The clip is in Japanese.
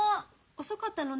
遅かったのね。